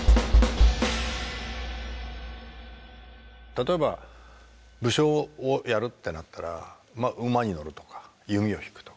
例えば武将をやるってなったらまあ馬に乗るとか弓を引くとか。